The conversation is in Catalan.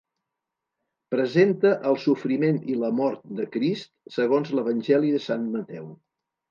Presenta el sofriment i la mort de Crist segons l'Evangeli de Sant Mateu.